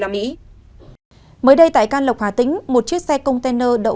mới đây tại can lộc hà tĩnh một chiếc xe container đậu trên đường